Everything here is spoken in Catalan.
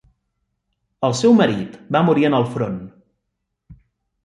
El seu marit va morir en el front.